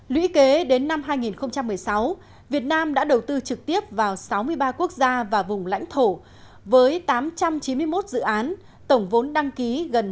lũy kế đến năm hai nghìn một mươi sáu việt nam đã đầu tư trực tiếp vào sáu mươi ba quốc gia và vùng lãnh thổ với tám trăm chín mươi một dự án tổng vốn đăng ký gần ba mươi